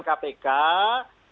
teman teman pimpinan kpk